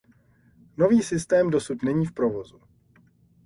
Nový systém dosud není v provozu.